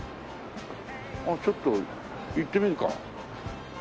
ちょっと行ってみるか。